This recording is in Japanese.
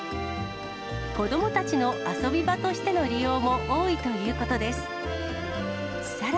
子どもたちの遊び場としての利用も多いということです。